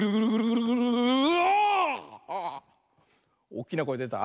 おっきなこえでた？